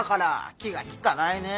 気が利かないねえ。